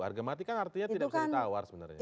harga mati kan artinya tidak bisa ditawar sebenarnya